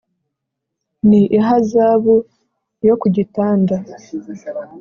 ni ihazabu yo ku gitanda.